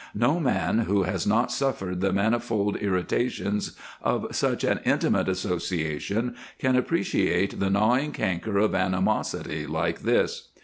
No man who has not suffered the manifold irritations of such an intimate association can appreciate the gnawing canker of animosity like this.